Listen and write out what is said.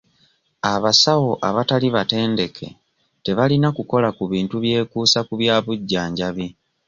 Abasawo abatali batendeke tebalina kukola ku bintu byekuusa ku bya bujjanjabi.